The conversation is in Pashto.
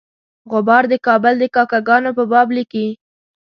غبار د کابل د کاکه ګانو په باب لیکي.